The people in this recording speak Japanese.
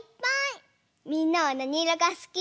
みんなはなにいろがすき？